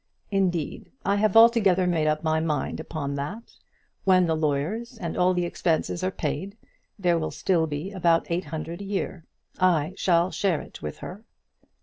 Indeed, I have altogether made up my mind upon that. When the lawyers and all the expenses are paid, there will still be about eight hundred a year. I shall share it with her."